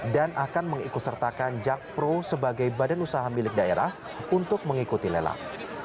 dan akan mengikusertakan jakpro sebagai badan usaha milik daerah untuk mengikuti lelang